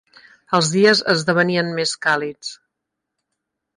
Els dies esdevenien més càlids